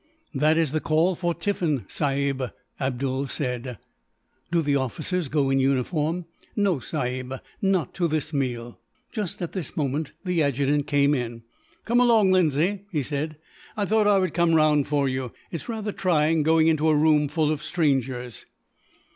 "That is the call for tiffin, sahib," Abdool said. "Do the officers go in uniform?" "No, sahib, not to this meal." Just at this moment, the adjutant came in. "Come along, Lindsay," he said. "I thought I would come round for you. It is rather trying going into a room full of strangers."